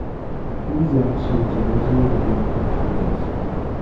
These episodes originally did not have titles.